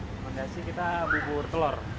rekomendasi kita bubur telur